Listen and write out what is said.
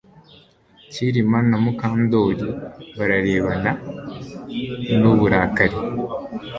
Kirima na Mukandoli bararebana nuburakari